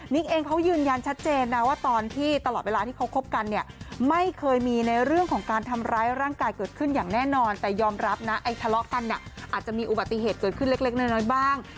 เองเขายืนยันชัดเจนนะว่าตอนที่ตลอดเวลาที่เขาคบกันเนี่ยไม่เคยมีในเรื่องของการทำร้ายร่างกายเกิดขึ้นอย่างแน่นอนแต่ยอมรับนะไอ้ทะเลาะกันเนี่ยอาจจะมีอุบัติเหตุเกิดขึ้นเล็กน้อยบ้าง